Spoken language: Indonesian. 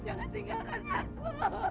jangan tinggalkan aku